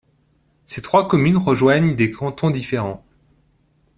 Ces trois communes rejoignent des cantons différents.